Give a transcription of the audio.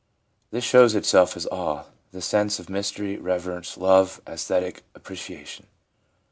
This shows itself as awe, the sense of mystery, reverence, love, and aesthetic apprecia tion.